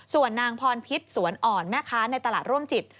ส่วนนางพรพิษสวนอ่อนแม่ค้าในตลาดร่วมจิต